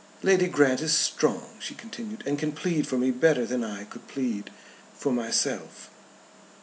"Lady Grant is strong," she continued, "and can plead for me better than I could plead myself."